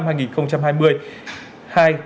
các đường lăn tương ứng